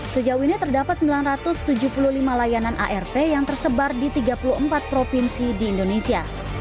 sejauh ini terdapat sembilan ratus tujuh puluh lima layanan arp yang tersebar di tiga puluh empat provinsi di indonesia